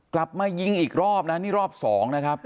กลับมายิงอีกรอบนะนี่รอบ๒นะครับ